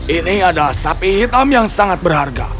ini adalah sapi hitam yang sangat berharga